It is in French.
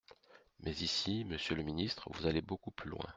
Mais ici, monsieur le ministre, vous allez beaucoup plus loin.